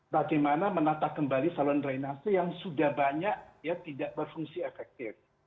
bagaimana menata kembali saluran drainase yang sudah banyak ya tidak berfungsi efektif